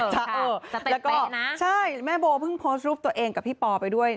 ใช่แล้วก็ใช่แม่โบเพิ่งโพสต์รูปตัวเองกับพี่ปอไปด้วย